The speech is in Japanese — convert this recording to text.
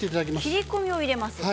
切り込みを入れます。